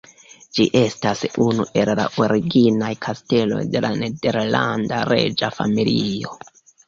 Ĝi estas unu el la originaj kasteloj de la nederlanda reĝa familio.